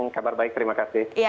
kabar baik terima kasih